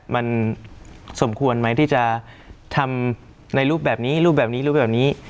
มันสมควรไหมที่จะทำในรูปแบบนี้รูปแบบนี้รูปแบบนี้